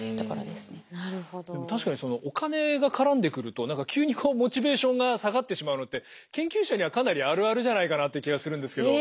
でも確かにお金が絡んでくると何か急にこうモチベーションが下がってしまうのって研究者にはかなりあるあるじゃないかなっていう気がするんですけど。